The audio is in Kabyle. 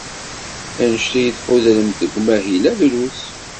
Anect ay tḥudremt deg umahil-a drus.